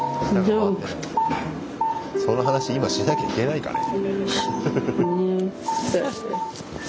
その話今しなきゃいけないかね？